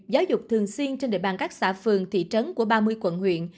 giáo dục thường xuyên trên địa bàn các xã phường thị trấn của ba mươi quận huyện